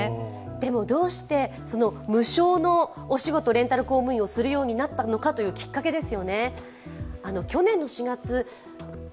でも、どうして無償のお仕事レンタル公務員するようになったのかというきっかけです。